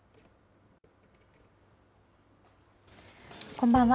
こんばんは。